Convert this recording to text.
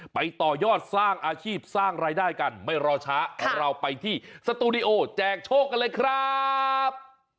ต่อยอดสร้างอาชีพสร้างรายได้กันไม่รอช้าเราไปที่สตูดิโอแจกโชคกันเลยครับ